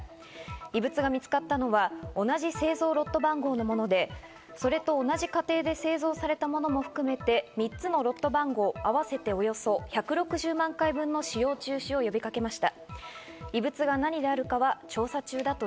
異物が見つかったのは同じ製造ロット番号のもので、それと同じ過程で製造されたものも含めて３つのロット番号、合わせておよそ１６３万回分の使用中止を呼びかけました。